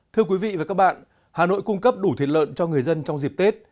thưa quý vị và các bạn hà nội cung cấp đủ thịt lợn cho người dân trong dịp tết